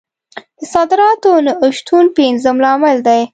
د صادراتو نه شتون پنځم لامل دی.